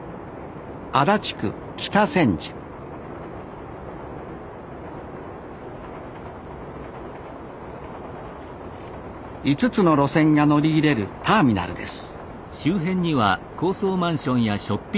足立区北千住５つの路線が乗り入れるターミナルです